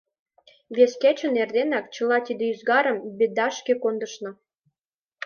Вес кечын, эрденак, чыла тиде ӱзгарым «Бедашке» кондышна.